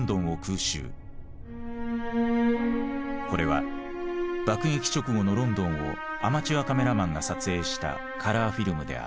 これは爆撃直後のロンドンをアマチュアカメラマンが撮影したカラーフィルムである。